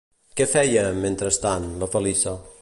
Què feia, mentrestant, la Feliça?